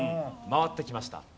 回ってきました。